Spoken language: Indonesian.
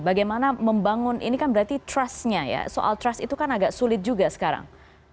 bagaimana membangun ini kan berarti trustnya ya soal trust itu kan agak sulit juga sekarang